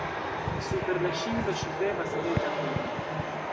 Super la ŝildo ŝvebas reĝa krono.